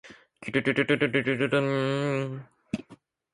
きゅるるるるるるるるんんんんんん